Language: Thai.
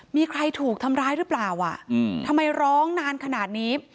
มีใครถูกทำร้ายหรือเปล่าอ่ะทำไมร้องนานขนาดนี้